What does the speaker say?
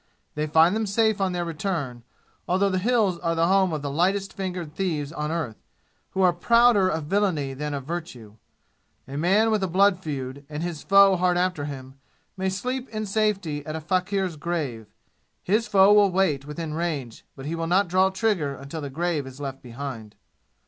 They find them safe on their return, although the "Hills" are the home of the lightest fingered thieves on earth, who are prouder of villainy than of virtue. A man with a blood feud, and his foe hard after him, may sleep in safety at a faquir's grave. His foe will wait within range, but he will not draw trigger until the grave is left behind.